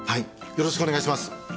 よろしくお願いします！